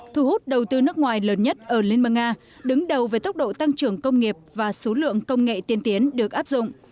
thu hút đầu tư nước ngoài lớn nhất ở liên bang nga đứng đầu về tốc độ tăng trưởng công nghiệp và số lượng công nghệ tiên tiến được áp dụng